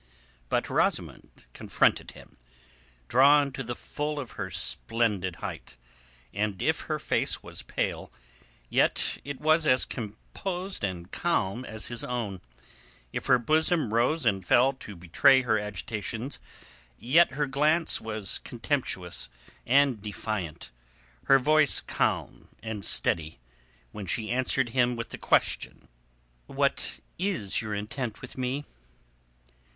But Rosamund confronted him, drawn to the full of her splendid height, and if her face was pale, yet it was as composed and calm as his own; if her bosom rose and fell to betray her agitations yet her glance was contemptuous and defiant, her voice calm and steady, when she answered him with the question—"What is your intent with me?"